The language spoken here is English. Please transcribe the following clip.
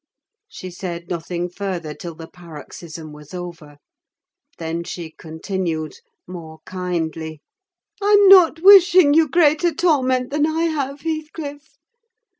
She said nothing further till the paroxysm was over; then she continued, more kindly— "I'm not wishing you greater torment than I have, Heathcliff.